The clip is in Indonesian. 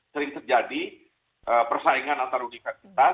sering terjadi persaingan antar universitas